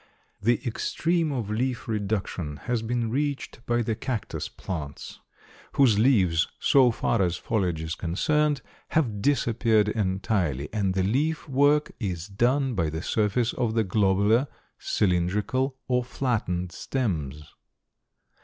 The extreme of leaf reduction has been reached by the Cactus plants, whose leaves, so far as foliage is concerned, have disappeared entirely, and the leaf work is done by the surface of the globular, cylindrical, or flattened stems.